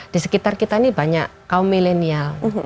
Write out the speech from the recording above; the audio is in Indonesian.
di sekitar kita ini banyak kaum milenial